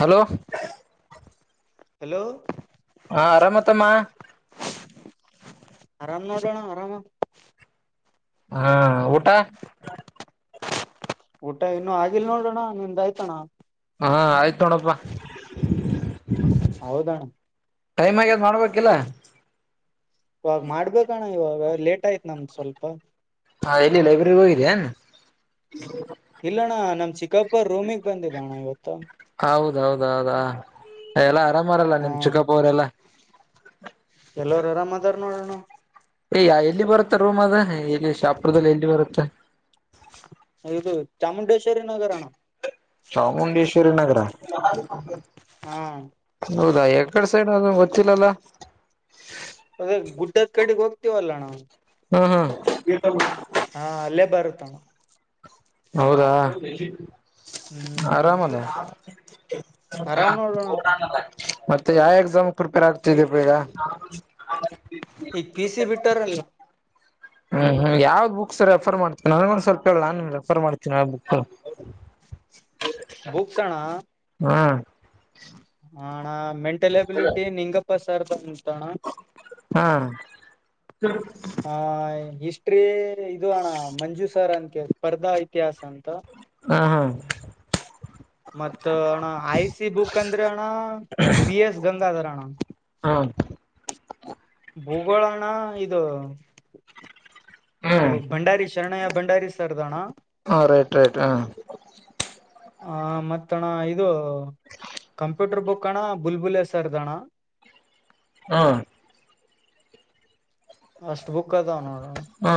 hello hello ಹಾ ಆರಾಮತ್ತಮ್ಮ ಆರಾಮ್ ನೋಡೋಣ ಆರಾಮ ಹಾ ಊಟ ಊಟ ಇನ್ನು ಆಗಿಲ್ ನೋಡೋಣ್ಣ ನಿಮ್ದ ಆಯ್ತಣ್ಣ ಹಾ ಆಯ್ತು ತೊಡಪ್ಪ ಹೌದನ ಟೈಮ್ ಆಗ ಮಾಡ್ಬೇಕಿಲ್ಲ ಇವಾಗ ಮಾಡ್ಬೇಕಣ ಇವಾಗ ಲೇಟ್ ಆಯ್ತ್ ನಮ್ದು ಸ್ವಲ್ಪ ಹಾ ಎಲ್ಲಿ ಲೈಬ್ರರಿ ಹೋಗಿದ್ದ ಇಲ್ಲಣ್ಣ ನಮ್ ಚಿಕ್ಕಪೋರ ರೋಮಿಿಗೆ ಬಂದಿದ್ದಣ್ಣ ಇವತ್ತು ಹೌದೌದಾ ಎಲ್ಲಾ ಆರಾಮಅವ್ರಲ ಹಾ ನಿಮ್ ಚಿಕ್ಕಪ್ಪ ಅವರೆಲ್ಲಾ ಎಲ್ಲರು ಆರಾಮ್ದಾರ ನೋಡೋಣ ಎಲ್ಲಿ ಬರುತ್ತೆ ರೂಮ್ ಅದ ಎಲ್ಲಿ ಶಾಪುರದಲ್ಲಿ ಎಲ್ಲಿ ಬರುತ್ತೆ ಇದು ಚಾಮುಂಡೇಶ್ ಚಾಮುಂಡೇಶ್ವರಿ ನಗರ ಹ್ಮ್ ಹೌದಾ ಎಕಡೆ ಸೈಡ್ ಅ ಗೊತ್ತಿಲ್ಲಲ್ಲ ಅದ ಗುಡ್ಡ ಕಡೆಗ್ ಹೋಗ್ತಿವಲ್ಲ ನಾವು ಹ್ಮ್ ಹ್ಮ್ ಹಾ ಅಲ್ಲೇ ಬರುತ್ತಣ ಹೌದಾ ಹ್ಮ್ ಆರಾಮ ಅದ ಆರಾಮ್ ನೋಡೋಣ [unintelligible] [inaudible] ಮತ್ತೆ ಯಾವ ಎಕ್ಸಾಮ್ ಪ್ರಿಪೇರ್ ಆಗ್ತಿದಪ ಈಗ ಈಗ್ ಪಿ ಸಿ ಬಿಟ್ಟಾರಲ್ಲ ಹ್ಮ್ ಹ್ಮ್ ಯಾವ್ ಬುಕ್ಸ್ ರೆಫರ್ ಮಾಡ್ತೇ ನನ್ಗ ಸ್ವಲ್ಪ ಹೇಳ ನಾನ ರೆಫರ್ ಮಾಡ್ತೀನಿಾವ ಬುಕ್ [inaudible] ಬುಕ್ಸ್ಣ ಹಾ ಹ್ಮ್ ಅಣ್ಣ ಮೆಂಟಲ್ ಎಬಿಲಿಟಿ ನಿಂಗಪ್ಪಾ ಸರ್ ದ ಅಂತಣ ಹಾ ಹ ಹಿಸ್ಟ್ರಿ ಇದು ಅಣ್ಣ ಮಂಜುಸರ್ ಅಂತ ಸ್ಪರ್ಧಾ ಇತಿಹಾಸ ಅಂತ ಹ ಹಾ ಮತ್ತ ಅಣ್ಣ ಐ ಸಿ ಬುಕ್ ಅಂದ್ರೆ ಅಣ್ಣ ಪಿ ಎಸ್ ಗಂಗಾಧರ ಅಣ್ಣ ಹಾ ಭೂಗೋಳಣ ಇದು ನೀ ಹ್ಮ್ ಭಂಡಾರಿ ಶರಣಯ್ಯ ಭಂಡಾರಿ ಸರ್ದಣ ಹ ರೈಟ್ ರೈಟ್ ಹ ಹ ಮತ್ತಣ ಇದು ಕಂಪ್ಯೂಟರ್ ಬುಕ್ ಅಣ್ಣ ಬುಲ್ಬುಲ್ ಸರ್ದಣ್ಣ ಹಾ ಅಷ್ಟು ಬುಕ್ ಅದನು ಹಾ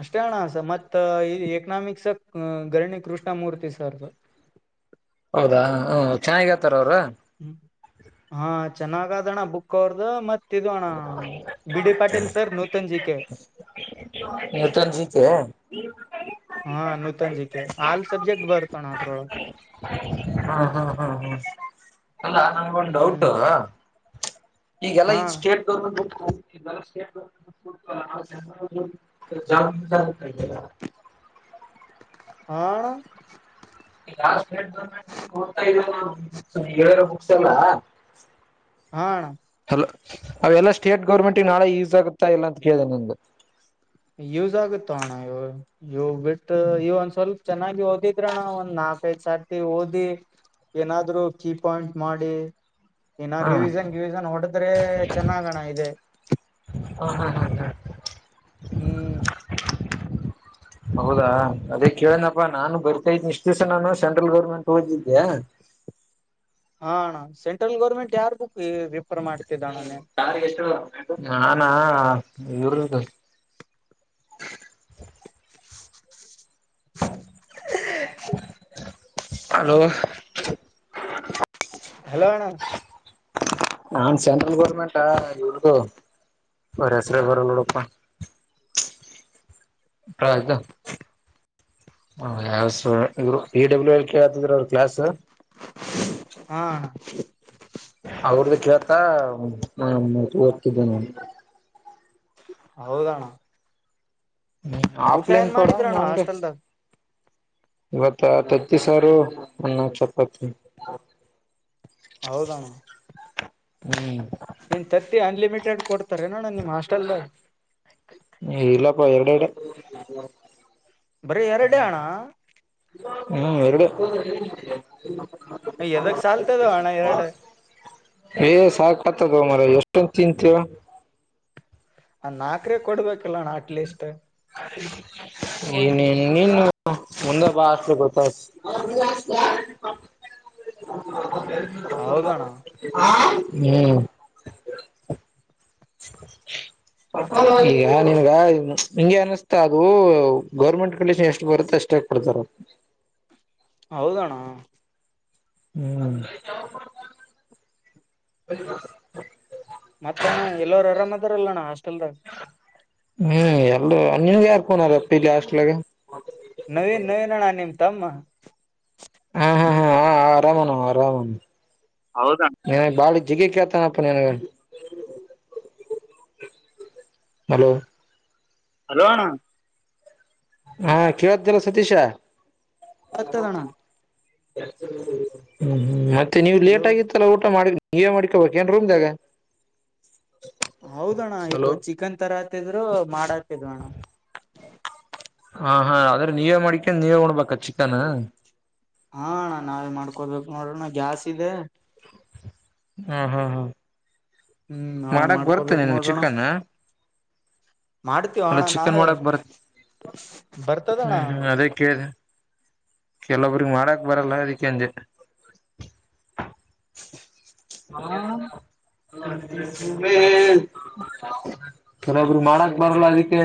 ಅಷ್ಟೇ ಅಣ ಸ ಮತ್ತ ಈ ಎಕನಾಮಿಕ್ಸ್ ಗರಣಿ ಕೃಷ್ಣಮೂರ್ತಿ ಸರ್ ಹೌದಾ ಹ ಚೆನ್ನಾಗ ಹತಾರ ಅವ್ರ ಹಾ ಚೆನ್ನಾಗದಣ್ಣ ಬುಕ್ ಅವ್ರ್ದ ಮತ್ೆ ಇದುಣ ಬಿಡಿ ಪಾಟೀಲ್ ಸರ್ ನೂತನ್ಜಿ ಕೆ ನೂತನ್ ಜೀತಿ ಹಾ ನೂತನ ಜಿ ಕೆ ಹಾಲ ಸಬ್ಜೆಕ್ಟ್ ಭರ್ತೋ ಹಾ ಹ್ಮ ಹ್ಮ್ ಹ್ಮ್ ಅಲ್ಲಾ ನಂಗೊ ಒಂದು ಡೌಟ ಹ್ಮ್ ಈಗೆಲ್ಲ ಹಾ ಈ ಸ್ಟೇಟ್ ಗೌರ್ಮೆಂಟ್ ಜ ಹಾ ಲ್ಲ ಹಾ ಅವೆಲ್ಲಾ ಸ್ಟೇಟ್ ಗೌರ್ಮೆಂಟ್ ನಾಳೆ ಯೂಸ್ ಆಗುತ್ತಾ ಇಲ್ಲ ಅಂತ ಕೇಳಿದೆ ನಮು ಯೂಸ್ ಆಗುತ್ತ ಅಣ ಇವ ಇವ್ ಬಿಟ್ಟು ಇವ ಒಂದ್ ಸ್ವಲ್ಪ್ ಚೆನ್ನಾಗಿ ಓದಿದ್ರಣ್ಣ ಒಂದ್ ನಾಕು ಕೈ ಸರ್ತಿ ಓದಿ ಏನಾದ್ರು ಕೀ ಪಾಯಿಂಟ್ ಮಾಡಿ ಇನ್ನ ಹ ರಿವೀಜನ್ ಕಿವಿಷನ್ ಹೊಡದ್ರೆ ಚೆನ್ನಾಗಣ ಇದೆ ಹ ಹಾ ಹಾ ಹಾ ಹ್ಮ್ ಹೌದಾ ಅದೇ ಕೇಳನಪ್ಪಾ ನಾನು ಬರ್ತಾ ಇದನ ಇಷ್ಟು ದಿವ್ಸ ನಾನು ಸೆಂಟ್ರಲ್ ಗೌರ್ಮೆಂಟ್ ಓದಿದ್ದ್ಯಾ ಹಣ ಸೆಂಟ್ರಲ್ ಗೌರ್ಮೆಂಟ್ ಯಾರ್ ಬುಕ್ ರಿಫರ್ ಮಾಡ್ತಿದ್ದಣ ನೀನ್ ನಾನಾ ಐೂರು ಅ ಹಲೋಣ ನನ್ ಸೆಂಟ್ರಲ್ ಗೋರ್ಮೆಂಟ್ಾ ಇಗ ಒ ಹೆಸ್ರ ಬರಳ್ಳಡಪ್ಪ ಪ್ರ್ದ ಇರು ಇ ಡಬ್ಲ್ಯೂ ಎಲ್ ಕೆ ಹತದ್ರ ಅವರು ಕ್ಲಾಸ್ ಹಾ ಅವ್ರ್ದು ಕೇಳ್ತಾ ಓದ್ತಿದ್ದೇನೆ ಹೌದಣ್ಣ ಹ್ಮ ಊಟ ಆಫ್ಲೈನ್ ಏನ್ ಕೂಡ ಮಾಡಿದ್ರಣ್ಣ ನನ್ ಹಾಸ್ಟೆಲ್ದಾಗ ಇವತ್ತ ತತಿ ಸಾರು ಅನ್ನ ಚಪಾತಿ ಹೌೋಗಣ ಹ್ಮ್ ನೀನ್ ತತ್ತಿ ಅನ್ಲಿಮಿಟೆಡ್ ಕೊಡ್ತಾರೆ ನೋಣನ್ ನಿಮ್ ಹಸ್ಟೆಲ್ದಾಗ ಇಲ್ಲಪ ಎವಡಡೆ ಬರೀ ಎರಡೇ ಅಣ್ಣ ಹ್ಮ್ ಎರಡು ಯದ ಚಲ್ತದೆ ಅಣ ಎರಡು ಏ ಸಾ ತದ ಮರ ಎಷ್ಟೊಂದು ತಿನ್ಂತೀವ ಅ ನಾಕ್ರೇ ಕೊಡ್ಬೇಕಲ್ಲಣ್ಣ ಅಟ್ಲೀಸ್ಟ್ ಇನ್ನು ಮುಂದೆ ಬಾಷ್ಟಲಿ ಗೊತ್ತ ಹೌದಣ್ಣ ಹ ಹ್ಮ್ ಈಗ ನಿನ್ಗ ನಿಗೆ ಅನಸ್ತಾ ಅದು ಗೌರ್ಮೆಂಟ್ ಕಂಡಷನ್ ಎಷ್ಟು ಬರುತ್ತೆ ಅಷ್ಟ ಇಷ್ಟ ಕೊಡ್ತಾರ ಹೌದಣ ಹ್ಮ್ ಮತ್ತ ಅಣ್ಣ ಎಲ್ಲೋ ಅರಾಮದಾರಲ್ಲ ಅಣ್ಣ ಹಾಸ್ಟೆಲ್ದಾಗ ಹ್ಮ್ ಎಲ್ಲ ನಿನ್ಗೆ ಯಾರ್ ಕನಾರ ಪಿಲಿ ಅಸ್ಲಾಗ ನವೀನ್ ನವೀನಣ್ಣ ನಿಮ್ ತಮ್ಮ ಹಾ ಹಾ ಹಾ ಹ ಆರಾಮನ ಆರಾಮ ಹೌದಾ ಜಗ ಕತಾನಪನನಗ ಮಲ ಹಲೋಣ ಹಾ ಕೇಳ್ದಲ್ಲ ಸತೀಶ ಹತ್ತ ತಣ ಹ್ಮ್ ಮತ್ತೆ ನೀವು ಲೇಟ್ ಹಲೋ ಆಗಿತ್ತಲ್ಲ ಊಟ ಮಾಡ ನೀ ಮಾಡ್ಕೊಬೇಕ ಏನ್ ರೂಮ್ದಾಗ ಹೌದಣ್ಣ ಇ ಹಲೋ ಚಿಕನ್ ತರ ಆತಿದ್ರು ಮಾಡಾತಿದ್ ಅಣ್ಣ ಹಾ ಹಾ ಆದ್ರೆ ನೀವೇ ಮಾಡಿಕೊಂಡ ನೀವೇ ಹೊಡ್ಬೇಕ ಚಿಕನ್ ಹಾಣಾ ನಾವಲ್ ಮಾಡ್ಕೊಡ್ಬೇಕು ನೋಡೋಣ ಜಾಸ್ತಿ ಇದೆ ಹಾ ಹಾ ಹ್ಮ ಹ್ಮ್ ನಾವೇ ಮಾಡಕ್ ಬರ್ತ ಮಾಡ್ಕೊಬೇಕ್ ನಿನ್ಗೆ ನೋಡೋಣ ಚಿಕನ್ ಮಾಡ್ತೀವ ಅಲ್ಲ ಅಣ್ಣ ಚಿಕನ್ ನಾವೇ ಮಾಡಕ್ ಬರತ್ತ ಬರ್ತದಣ್ಣ ಹ್ಮ್ ಹ್ಮ್ ಅದೇ ಕೇಳಿದೆ ಕೆಲೊಬ್ರಿಗೆ ಮಾಡಕ್ ಬರಲ್ಲ ಅದಕ್ಕೆಂಜೆ ಹಾ ಮ ಹಲೊಬ್ರು ಮಾಡಕ್ ಬರಲ್ಲ ಅದಕ್ಕೆ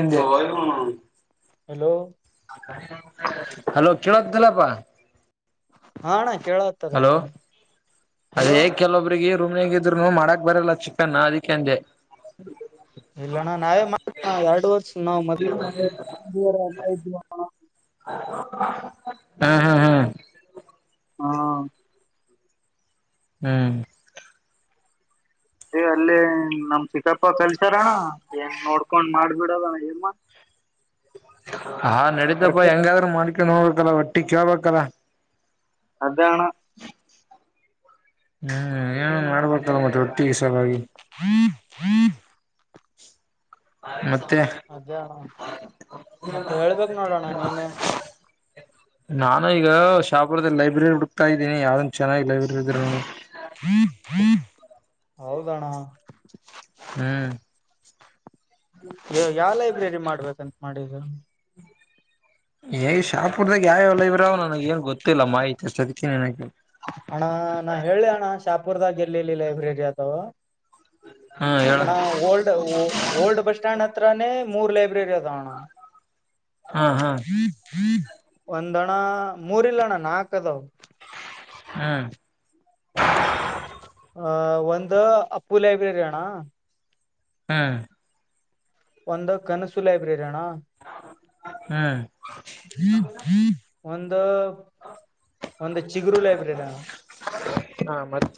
ಹಲೋ ಹಲೋ ಕೇಳಲ್ಲಪ್ಪ ಹಾಣ ಹಲೋ ಅದೇ ಹಲೋ ಕೆಲವೊಬ್ರಿಗೆ ರೂಮ್ಗ ಇದ್ರುನು ಮಾಡಕ್ ಬರಲ್ಲ ಚಿಕನ್ ಅದಕ್ಕೆಂದೆ ಇಲ್ಲಣ್ಣ ನಾವೇ ಮಾಡಣ ಎರಡ್ ವರ್ಷ ನಾವ್ ಹೌ ಹ್ಮ್ ಹ್ಮ್ ಹ್ಮ್ ಹಾ ಹ್ಮ್ ಏ ಅಲ್ಲಿ ನಮ ಚಿಕ್ಕಪ್ಪ ಕಲ್ಸಾರಣ್ಣ ಏನ್ ನೋಡ್ಕೊಂಡ್ ಮಾಡ್ಬಿಡದಣ ಏನ್ಮ ಹಾ ನಡೀಿತಪ್ಪ ಹೆಂಗಾದ್ರೂ ಮಾಡ್ಕ ನೋಡ್ಬೇಕಲ್ಲ ಒಟ್ಟಿ ಕೇಳ್ಬೇಕಲ್ಲ ಅದಣ ಹ್ಮ್ ಏನು ಮಾಡ್ಬೇಕಲ್ಲ ಮತ್ತೆ ೀ ಸ ಹಾಗಾಗಿ ಅದೇ ಅಣ್ಣ ಮತ್ತೆ ಹೇಳ್ಬೇಕು ನೋಡೋಣ ನೀನೇ ನಾನು ಈಗ ಶಾಪುರದ ಲೈಬ್ರರಿ ಹುಡ್ಕಾ ಇದೀನಿ ಯಾವ್ದನ್ ಚೆನ್ನಾಗಿ ಲೈಬ್ರರಿ ಇದ್ರ ಹ ಹೌದಣ ಹ್ಮ್ ಯಾವ ಲೈಬ್ರರಿ ಮಾಡ್ಬೇಕಂತ ಮಾಡಿದ್ದ ಈಗ ಶಾಪುರ್ದಾಗ ಯಾವೆ ಎಲ್ಲ ಇ್ರವ ನನಗ ಏನ್ ಗೊತ್ತಿಲ್ಲ ಮಾಹಿತಿ ಅದಕ್ಕೆ ನಿನಗೆ ಅಣ ನಾ ಹೇಳಿ ಅಣ್ಣ ಶಾಪುರ್ದಾಗ ಎರ್ಲಲ್ಲಿ ಲೈಬ್ರರಿ ಅಥವ ಹಾ ಹೇಳ ಹಣ ಓಲ್ಡ ಓಲ್ಡ ಬಸ್ ಸ್ಟ್ಯಾಂಡ ಹತ್ರ ಮೂರು ಲೈಬ್ರರಿ ಅದಣ ಹಾ ಹಾ ಒಂದಣ ಮೂರ್ ಇಲ್ಲಣ್ಣ ನಾಕ ಅದಾವ ಹ್ಮ ಆ ಒಂದು ಅಪ್ಪು ಲೈಬ್ರರಿ ಅಣ್ಣ ಹ್ಮ್ ಒಂದು ಕನಸು ಲೈಬ್ರರಿ ಅಣ್ಣ ಹ್ಮ್ ಹ್ಮ ಒಂದು ಒಂದು ಚಿಗರು ಲೈಬ್ರೆರಿ ನಾನು ಹಾ ಮತ್ತೆ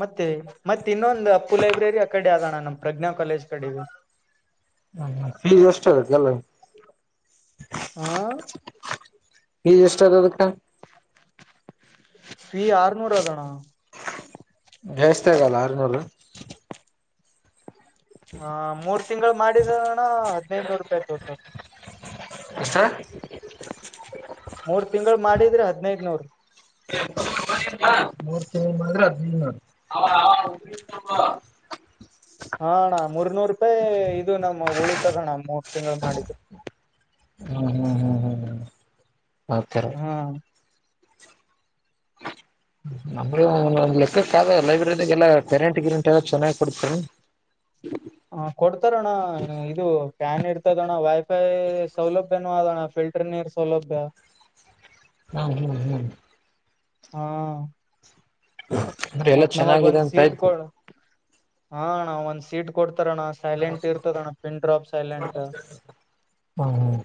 ಮತ್ತೆ ಮತ್ತೆ ಇನ್ನೊಂದು ಅಪ್ಪು ಲೈಬ್ರರಿ ಆ ಕಡೆ ಆದಣ ನಮ್ ಪ್ರಜ್ಞಾ ಕಾಲೇಜ್ ಕಡೆಗೆ ಹ ಫೀಸ್ ಅಷ್ಟ ಆಗತ್ತ ಎಲ್ಲ ಹ ನೀ ಎಷ್ಟ ಆಗದಕ್ಕ ಫೀ ಆರನೂರ ಆದದಣ ಎಷ್ಟತಗಲ್ಲ ಅರ್ನೋಲ್ ಹ ಮೂರ್ ತಿಂಗಳು ಮಾಡಿದಣ ಹದನೈದನೂರು ರೂಪಾಯಿ ತೋತ ಹಾ ಮೂರ್ ತಿಂಗಳು ಮಾಡಿದ್ರೆ ಹದ್ನದನೂರು ಎ ಮೂರ್ ತಿಂ ಅದ್ನ್ ಮಾಡ ಹಾಣ್ಣ ಮೂರ್ನೂರು ರೂಪಾಯಿ ಇದು ನಮ್ ಉಳಿತದಣ್ಣ ಮೂರು ತಿಂಗಳು ಮಾಡಿದ್ದು ಕೆ ರ ಹಾ ಹ ನಮ್ ಲೆಕ್ಕಕ್ಕಾದ ಲೈಬ್ರರಿದಾಗ ಎಲ್ಲ ಪೆರೆಂಟ್ ಗಿರೆಂಟ್ ಎಲ್ಲ ಚೆನ್ನಾಗ್ ಕೊಡ್ತೇ ಹ ಕೊಡ್ತಾರೋಣ ಇದು ಪ್ಯಾನ್ ಇರ್ತದೋಣ್ಣ ವೈಫೈ ಸೌಲಭ್ಯ ನುಣ ಫಿಲ್ಟರ್ ನೀರ್ ಸೌಲಭ್ಯ ಹಾ ಹ್ಮ್ ಹ್ಮ್ ಹಾ ಅಂದ್ರೆ ಎಲ್ಲ ಮತ್ತತ್ ನಮಗ್ ಚೆನ್ನಾಗಿದೆ ಒಂದ್ ಅಂತ ಸೀಟ್ ಆಯ್ತು ಕೊ ಹ ನಾ ಒಂದ್ ಸೀಟ್ ಕೊಡ್ತ ಇತಣ್ಣ ಸೈಲೆಂಟ್ ಇರ್ತದ ಅಣ್ಣ ಪಿನ್ ಡ್ರಾಪ್ ಸೈಲೆಂಟ್ ಹ್ಮ್ ಹ್ಮ್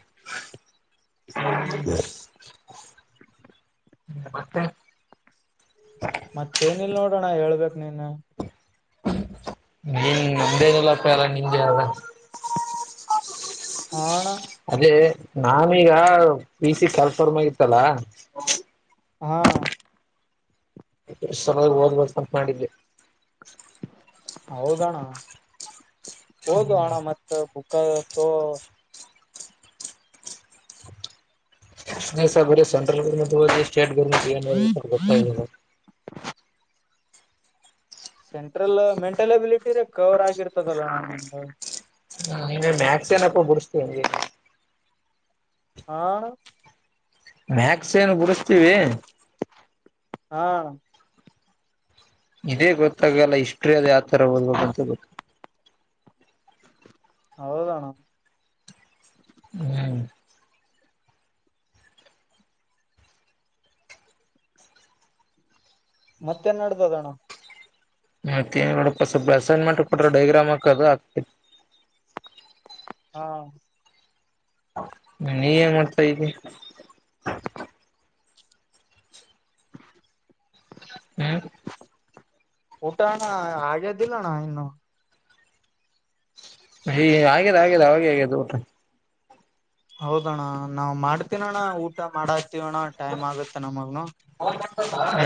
ಹ್ಮ್ ಮತ್ತೆ ಮತ್ತೇನಲ್ ನೋಡೋಣ ಹೇಳ್ಬೇಕಕ್ ನೀನ್ ನೀನ್ ನ್ದೇನಲ್ಲಪ್ಪ ಅಲ್ಲ ನಿಮಗೆ ಅ ಹಣ ನಾನೀಗ ಪಿ ಸಿ ಕಲ್ಫರ್ಮ್ ಆಗಿತ್ತಲ್ಲ ಹಾ ಓದ್ಬ ಮಾಡೆ ಹೌದಣ ಹೌದು ಅಣ ಮತ್ತ ತ ನ ಸಾ ಅರ ಸೆಂಟ್ರಲ್ ಗರ್ ಸ್ಟೇಟ್ ಗರ್ ಸೆಂಟ್ರಲ್ ಮೆಂಟಲ್ ಅಬಿಲಿಟಿ ರ ಕವರ್ ಆಗಿರ್ತದಲ್ಲ ನಂದು ಹ ನಿಗೆ ಮ್ಯಾಕ್ಸ ಏನಪ್ಪ ಬಿುಡಿಸತೀಗ ಹಾ ಮ್ಯಾಕ್ಸ ಏನು ಬುಡಸ್ತೀವಿ ಹಾ ಇದೇ ಗೊತ್ತಾಗಲ್ಲ ಹಿಸ್ಟ್ರಿ ಅದ ಯಾವ ತರ ಒದಬೇಕಂತ ಗೊತ್ತ ಹೌದಣ್ಣ ಹ್ಮ್ ಮತ್ತೆನ್ಡ್ದ ಅದಣ್ಣ ಮತ್ತ ನಡ ಸ್ವಲ್ಪ ಅಸೈನ್ಮೆಂಟ್ ಕೊಟ್ರ ಡೈಗ್ರಾಮ್ ಹಕದು ಆಗ್ತಿತಿ ಹಾ ನೀ ನ್ ಮಾಡ್ತಾ ಇದಿ [unintelligible] ಹ್ಮ್ [unintelligible] ಊಟಾಾನ ಆಗೆ ದಿಲ್ಲಣ ಇನು ಹ ಹಾಗ್ಯದ ಆಗ್ಯದ ಅವೆ ಆಗದು ಊಟ ಹೌದಣ್ಣ ನಾವ್ ಮಾಡ್ತನಣ್ಣ ಊಟ ಮಾಡಾ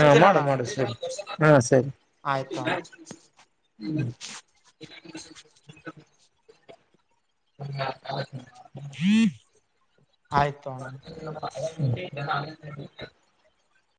ಹಾ ಮಾಡು ಮಾಡು ಸರಿ ಹಾ ಸರಿ ಆಯ್ತ ಅಣ್ಣ ಹ್ಮ್ [unintelligible] ಹ್ಮ [unintelligible] ಹ್ಮ್ ಆಯ್ತೋಣ್ಣ ನ [unintelligible]